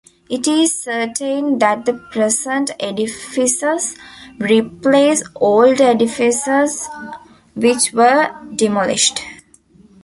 It is certain that the present edifices replace older edifices, which were demolished.